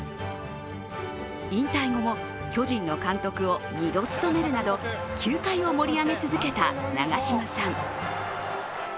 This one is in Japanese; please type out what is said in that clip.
引退後も巨人の監督を２度務めるなど球界を盛り上げ続けた長嶋さん。